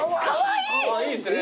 いいっすね。